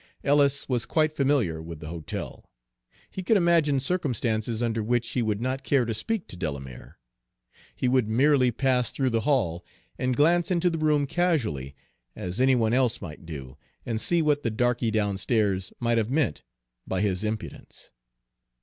Ellis was quite familiar with the hotel. He could imagine circumstances under which he would not care to speak to Delamere; he would merely pass through the hall and glance into the room casually, as any one else might do, and see what the darky downstairs might have meant by his impudence.